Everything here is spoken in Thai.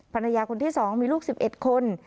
ภรรยาคนที่๒มีลูก๑๑คน